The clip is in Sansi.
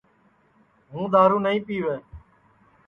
ہُوں دؔارو نائی پِیوے